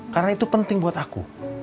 karena itu penting buat aku